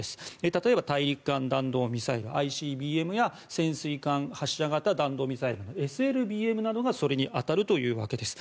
例えば大陸間弾道ミサイル・ＩＣＢＭや潜水艦発射弾道ミサイル・ＳＬＢＭなどがそれに当たるというわけです。